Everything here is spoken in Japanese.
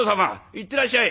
いってらっしゃい。